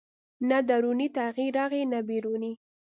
نه دروني تغییر راغی نه بیروني